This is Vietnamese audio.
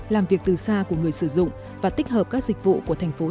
làm việc từ xa của người sử dụng và tích hợp các dịch vụ của tp hcm